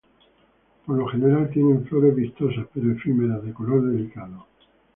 Por lo general, tienen flores vistosas pero efímeras, de color delicado.